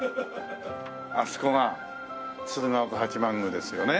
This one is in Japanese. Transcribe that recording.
あそこが鶴岡八幡宮ですよね。